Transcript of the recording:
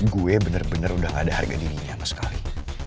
gue bener bener udah gak ada harga dini sama sekali